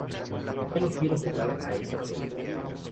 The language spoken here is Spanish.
Yo no quiero jugar a ese juego".